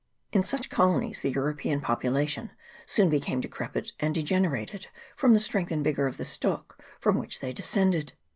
In such colonies the European population soon became decrepit, and degenerated from the strength and vigour of the stock from which they descended.